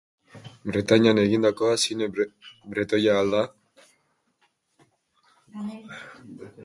Bretainian egindakoa zine bretoia al da?